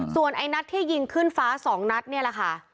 ส่วนไอ้นัดที่ยิงขึ้นฟ้า๒นัดนี่แหละค่ะ